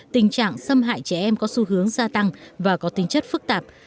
tình trạng xâm hại trẻ em có xu hướng gia tăng và có tính chất phức tạp